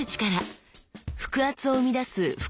腹圧を生み出す腹